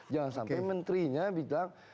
jangan sampai menterinya bilang